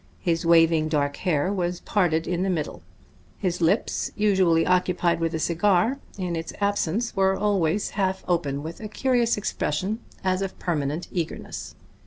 His waving dark hair was parted in the middle. His lips, usually occupied with a cigar, in its absence were always half open with a curious expression as of permanent eagerness.